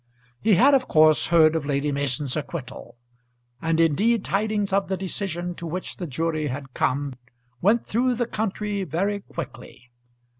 He had of course heard of Lady Mason's acquittal; and indeed tidings of the decision to which the jury had come went through the country very quickly.